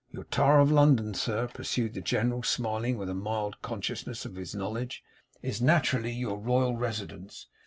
Your Tower of London, sir,' pursued the General, smiling with a mild consciousness of his knowledge, 'is nat'rally your royal residence.